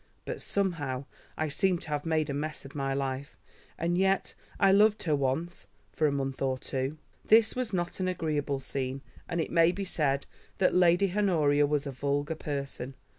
But, somehow, I seem to have made a mess of my life. And yet I loved her once—for a month or two." This was not an agreeable scene, and it may be said that Lady Honoria was a vulgar person.